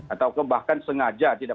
atau bahkan sengaja tidak